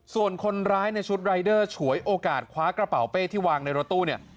ส่วนคนร้ายในชุดรายเดอร์ฉวยโอกาสคว้ากระเป๋าเป้ที่วางในรถตู้เนี่ย